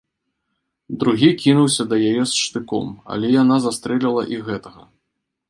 Другі кінуўся да яе з штыком, але яна застрэліла і гэтага.